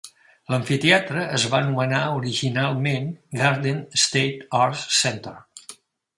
L'amfiteatre es va anomenar originalment Garden State Arts Center.